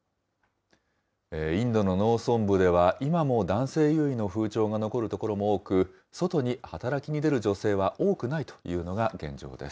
インドの農村部では、今も男性優位の風潮が残る所も多く、外に働きに出る女性は多くないというのが現状です。